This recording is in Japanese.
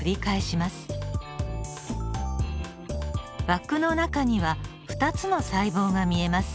枠の中には２つの細胞が見えます。